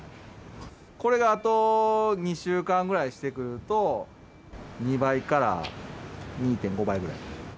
これがあと２週間ぐらいしてくると、２倍から２．５倍ぐらい。